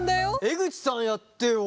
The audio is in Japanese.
江口さんやってよ。